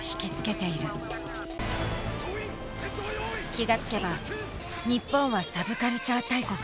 気が付けば日本はサブカルチャー大国。